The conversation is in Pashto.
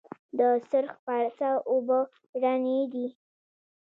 د سرخ پارسا اوبه رڼې دي